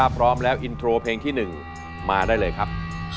พร้อมแล้วอินโทรเพลงที่๑มาได้เลยครับ